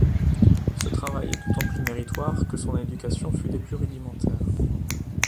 Ce travail est d’autant plus méritoire que son éducation fut des plus rudimentaires.